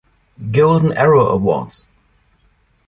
Golden Arrow Awards.